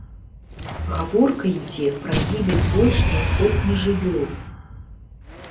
Гаворка ідзе пра гібель больш за сотні жывёл.